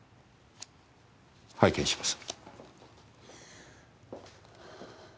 拝見します。